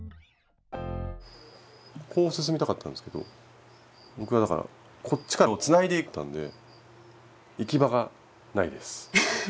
こう進みたかったんですけど僕はだからこっちからつないでいったんで行き場がないです。